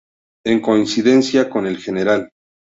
En coincidencia con el Gral.